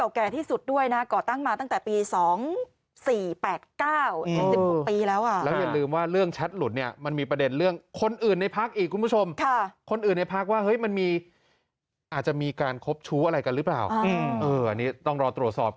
แล้วก็ใกล้จะเลือกตั้งเพราะว่ากรธมอล์แล้วโอ้โห